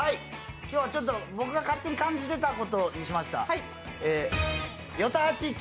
今日はちょっと、僕が勝手に感じていたことにしました。